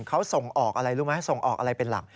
เขาส่งออกอะไรรู้ไหมส่งออกอะไรเป็นหลัก